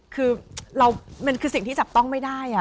คือสิ่งที่จับต้องไม่ได้